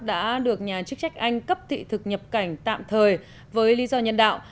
đã được nhà chức trách anh cấp thị thực nhập cảnh tạm thời với lý do nhân đạo